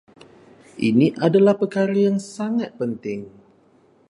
Ini adalah perkara yang sangat penting